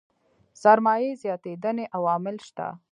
سرمايې زياتېدنې عوامل شته.